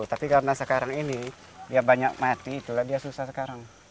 tapi karena sekarang ini dia banyak mati itulah dia susah sekarang